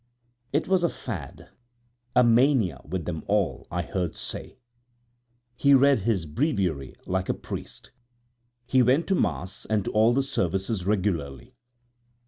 It was a fad, a mania with them all, I heard say. He read his breviary like a priest, he went to Mass and to all the services regularly.